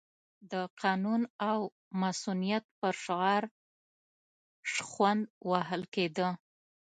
د قانون او مصونیت پر شعار شخوند وهل کېده.